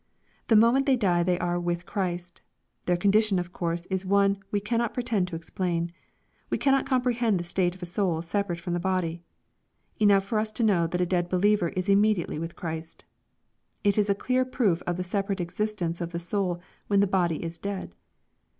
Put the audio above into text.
The moment they die they are " vsrith Christ." Their condition of course is one we cannot pretend to explain. We cannot comprehend the state of a soul separate from the body. Enough for us to know that a dead believer is immediately with Christ. It is a clear proof of the separate existence of the soul when the body is dead.